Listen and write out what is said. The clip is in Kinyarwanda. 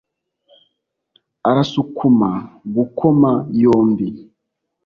arasukuma gukoma yombi